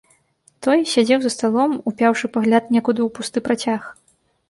Той сядзеў за сталом, упяўшы пагляд некуды ў пусты працяг.